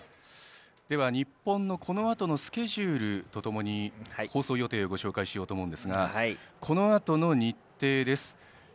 では、日本のこのあとのスケジュールとともに放送予定をご紹介しようと思うんですがこのあとの日程です。